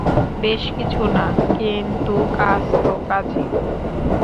বেশি কিছু না, কিন্তু কাজ তো কাজী।